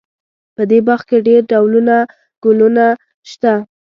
په دې باغ کې ډېر ډولونه ګلونه شته